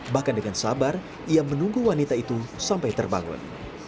bahkan dengan sabar ia menunggu wanita itu sampai terbangun